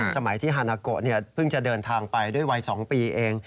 สมัยที่ฮานาโกะเพิ่งจะเดินทางไปด้วยวัย๒ปีเอง